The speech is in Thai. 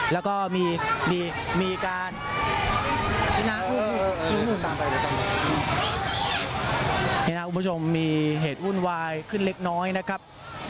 แล้วก็มีการนี่นะคุณผู้ชมมีเหตุวุ่นวายขึ้นเล็กน้อยนะครับ